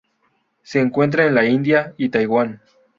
Se encuentra en la India y Taiwán.